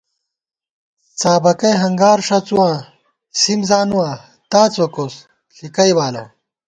څابَکَئ ہنگار ݭَڅُواں سِم زانُوا ، تا څوکوس، ݪِکَئ بالہ